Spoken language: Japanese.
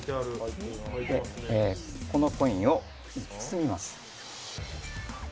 このコインを包みます。